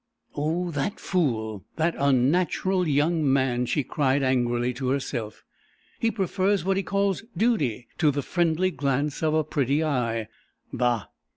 "Oh, that fool, that unnatural young man!" she cried, angrily, to herself. "He prefers what he calls 'duty' to the friendly glance of a pretty eye. Bah!